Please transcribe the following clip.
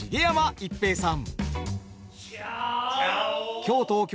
逸平さん。